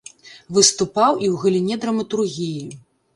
Выступаў і ў галіне драматургіі.